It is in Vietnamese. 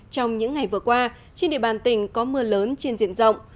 trong những ngày vừa qua trên địa bàn tỉnh có mưa lớn trên diện rộng